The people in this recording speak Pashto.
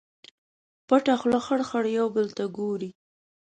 پټه خوله خړ، خړ یو بل ته ګوري